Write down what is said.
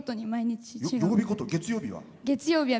月曜日は？